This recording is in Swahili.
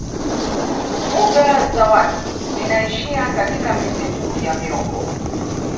Mbuga za wazi zinaishia katika misitu ya miombo